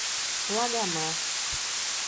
Lagamar